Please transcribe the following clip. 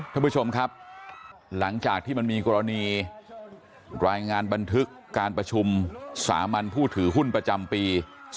ท่านผู้ชมครับหลังจากที่มันมีกรณีรายงานบันทึกการประชุมสามัญผู้ถือหุ้นประจำปี๒๕๖